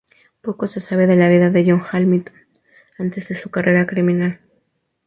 Poco se sabe de la vida de John Hamilton antes de su carrera criminal.